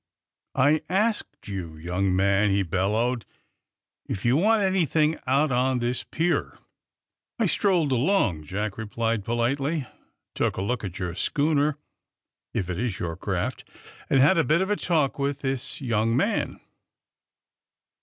I asked you, young man," he bellowed, if you want anything out on this pier. '' *'I strolled along, ^' Jack replied politely, *Hook a look at your schooner — if it is your craft — and had a bit of a talk with this young man.